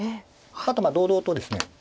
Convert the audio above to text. あと堂々とですね